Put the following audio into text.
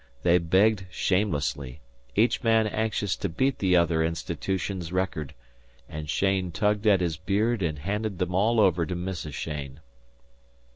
They begged shamelessly, each man anxious to beat the other institution's record, and Cheyne tugged at his beard and handed them all over to Mrs. Cheyne.